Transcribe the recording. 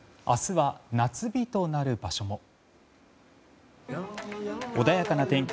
明日は夏日となる場所も。